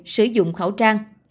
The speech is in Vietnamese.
sử dụng khẩu trang